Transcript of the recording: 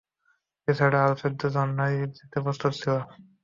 এ ছাড়া আরো চৌদ্দ জন নারী যেতে প্রস্তুত ছিল।